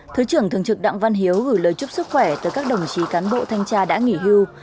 thứ trưởng thường trực đặng văn hiếu gửi lời chúc sức khỏe tới các đồng chí cán bộ thanh tra đã nghỉ hưu